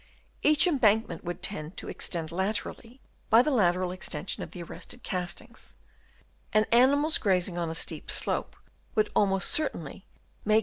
Each embankment would tend to extend laterally by the lateral extension of the arrested castings; and animals grazing on a steep slope would almost certainly make use Chap.